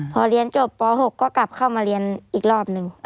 พอเรียนจบป๖ก็กลับเข้ามาเรียนอีกรอบหนึ่ง